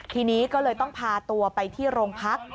ทีนี้ก็เลยต้องพาตัวไปที่โรงพัก